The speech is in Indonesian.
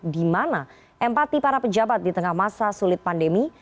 di mana empati para pejabat di tengah masa sulit pandemi